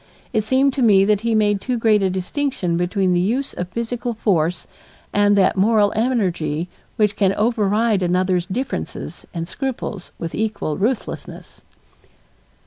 It seemed to me that he made too great a distinction between the use of physical force and that moral energy which can override another's differences and scruples with equal ruthlessness.